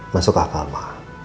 masuk akal ma